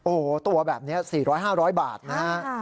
โอ้โหตัวแบบนี้๔๐๐๕๐๐บาทนะฮะ